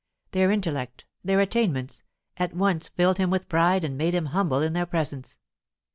Their intellect, their attainments, at once filled him with pride and made him humble in their presence.